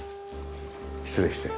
失礼して。